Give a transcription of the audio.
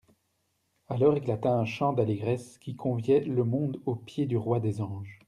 Alors éclata un chant d'allégresse, qui conviait le monde aux pieds du Roi des Anges.